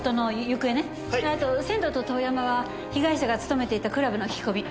あと仙堂と遠山は被害者が勤めていたクラブの聞き込み。